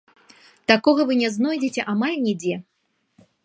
Такога вы не знойдзеце амаль нідзе.